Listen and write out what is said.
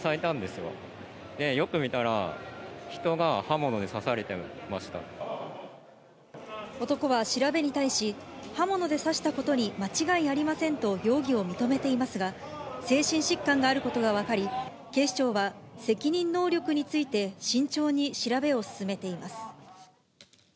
よく見たら、男は調べに対し、刃物で刺したことに間違いありませんと容疑を認めていますが、精神疾患があることが分かり、警視庁は、責任能力について、慎重に調べを進めています。